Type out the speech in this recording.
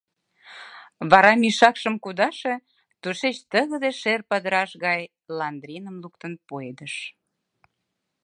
Вара мешакшым кудаше, тушеч тыгыде шер падыраш гай ландриным луктын пуэдыш.